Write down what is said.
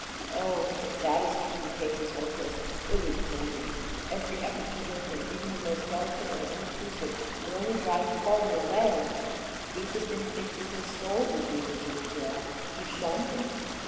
Oh! If that is true, the case is hopeless; it would kill me. Every effort to win him, even the most delicate and unobtrusive, would only drive him farther away; the deepest instincts of his soul would lead him to withdraw to shun me.